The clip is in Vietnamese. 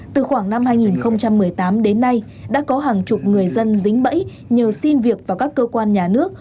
từ khoảng năm hai nghìn một mươi tám đến nay đã có hàng chục người dân dính bẫy nhờ xin việc vào các cơ quan nhà nước